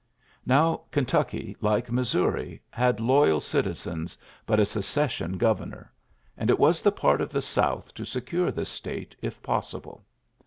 Now Kentucky, like Missou had loyal citizens, but a Secession gc emor ; and it was the part of the Son to secure this state, if possible.